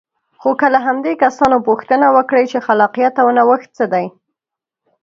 خو که له همدې کسانو پوښتنه وکړئ چې خلاقیت او نوښت څه دی.